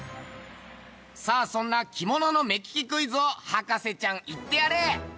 さあそんな着物の目利きクイズを博士ちゃん言ってやれ！